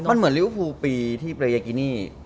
มันเหมือนริวภูปีที่เปรยกินี่